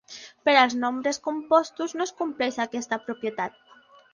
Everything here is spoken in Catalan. Per als nombres compostos no es compleix aquesta propietat.